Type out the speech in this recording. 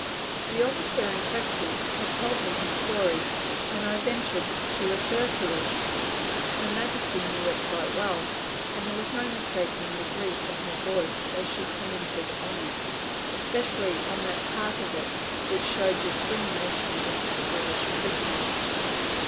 The officer in question had told me his story, and I ventured to refer to it Her Majesty knew it quite well, and there was no mistaking the grief in her Voice as she commented on it, especially on that part of it which showed discrimination against the British prisoners.